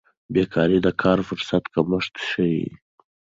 بیکاري د کار فرصت کمښت ښيي.